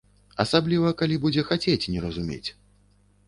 Асабліва, калі будзе хацець не разумець.